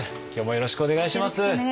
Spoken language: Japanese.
よろしくお願いします。